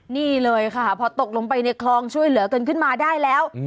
นี่เลยค่ะพอตกลงไปในคลองช่วยเหลือกันขึ้นมาได้แล้ว